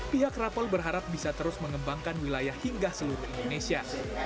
pihak rapel berharap bisa terus mengembangkan wilayah hingga seluruh indonesia